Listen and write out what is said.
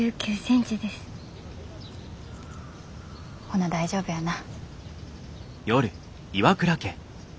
ほな大丈夫やな。